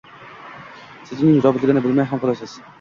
Siz uning robotligini bilmay ham qolasiz.